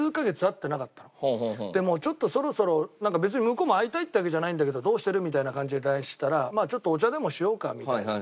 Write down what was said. でもうちょっとそろそろ別に向こうも会いたいってわけじゃないんだけどどうしてる？って感じでＬＩＮＥしたらちょっとお茶でもしようかみたいな。